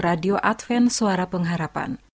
radio advent suara pengharapan